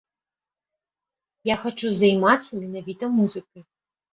Я хачу займацца менавіта музыкай.